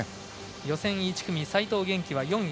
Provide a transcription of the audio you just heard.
予選１組、齋藤元希は４位。